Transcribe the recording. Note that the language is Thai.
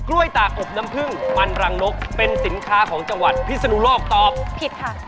เราถึงอยากถึงกันนะ